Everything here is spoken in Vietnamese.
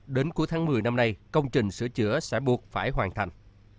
đến cuối tháng một mươi năm nay công trình sửa chữa sẽ buộc phải hoàn thành